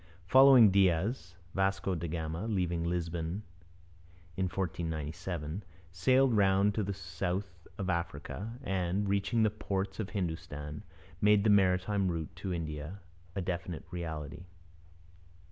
Following Diaz, Vasco da Gama, leaving Lisbon in 1497, sailed round the south of Africa, and, reaching the ports of Hindustan, made the maritime route to India a definite reality.